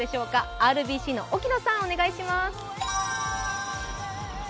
ＲＢＣの沖野さん、お願いします。